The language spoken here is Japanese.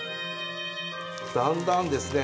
だんだんですね